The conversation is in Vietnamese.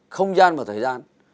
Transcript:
không gian và thời gian